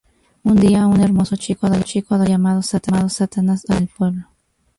Un día, un hermoso chico adolescente llamado Satanás aparece en el pueblo.